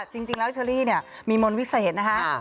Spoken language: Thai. จริงแล้วเชอรี่มีมนต์วิเศษนะคะ